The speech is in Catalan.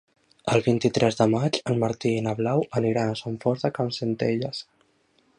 El vint-i-tres de maig en Martí i na Blau aniran a Sant Fost de Campsentelles.